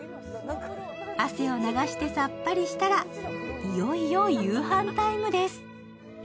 汗を流してさっぱりしたら、いよいよ夕飯タイムです。